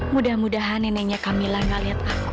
mudah mudahan neneknya kamilah gak lihat aku